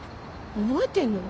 覚えてるの？